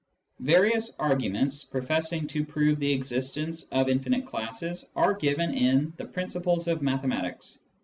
Various arguments professing to prove the existence of infinite classes are given in the Principles of Mathematics, § 339 (p.